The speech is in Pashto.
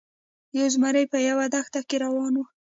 یو زمری په یوه دښته کې روان و.